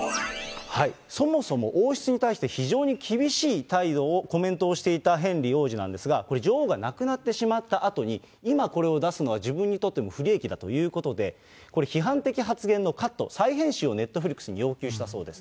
そもそも王室に対して非常に厳しい態度を、コメントをしていたヘンリー王子なんですが、これ、女王が亡くなってしまったあとに、今これを出すのは、自分にとっても不利益だということで、これ、批判的発言のカット、再編集をネットフリックスに要求したそうです。